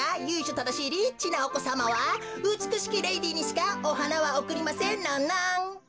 ただしいリッチなおこさまはうつくしきレディーにしかおはなはおくりませんノンノン。